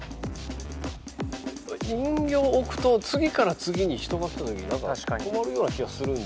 人形を置くと次から次に人が来たとき困るような気がする。